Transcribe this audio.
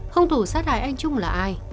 hung thủ sát hại anh trung là ai